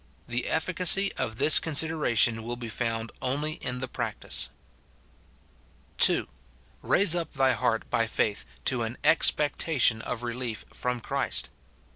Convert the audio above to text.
The effi cacy of this consideration will be found only in the practice. (2.) Raise up thy heart by faith to an expectation of relief from Christ.